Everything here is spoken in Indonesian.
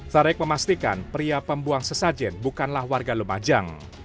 sarek memastikan pria pembuang sesajen bukanlah warga lumajang